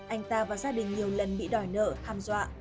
anh ta và gia đình nhiều lần bị đòi nợ hàm dọa